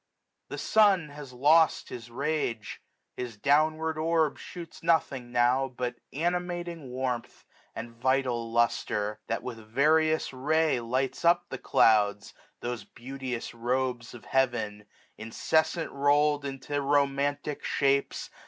The sun has lost his rage : his downward orb 1370 Shoots nothing now but animating warmth. And vital lustre ; that, with various ray, Lights up the clouds, those beauteous robes of Heaven, Incessant roU'd into romantic shapes.